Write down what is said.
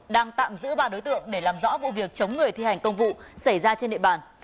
đang tạm giữ ba đối tượng để làm rõ vụ việc chống người thi hành công vụ xảy ra trên địa bàn